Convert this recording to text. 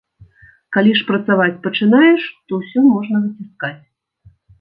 Калі ж працаваць пачынаеш, то ўсё можна выціскаць.